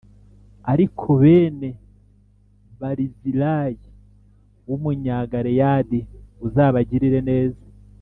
“Ariko bene Barizilayi w’Umunyagaleyadi uzabagirire neza